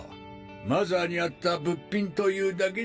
マザーにあった物品というだけじゃ。